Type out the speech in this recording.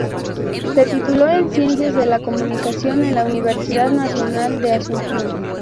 Se tituló en Ciencias de la Comunicación en la Universidad Nacional de Asunción.